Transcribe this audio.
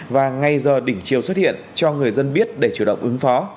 và ngay giờ đỉnh chiều xuất hiện cho người dân biết để chủ động ứng phó